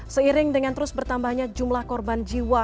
seiring dengan terus bertambahnya jumlah korban jiwa